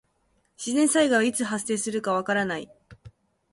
自然災害はいつ発生するかわからない。